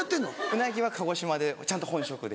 うなぎは鹿児島でちゃんと本職で。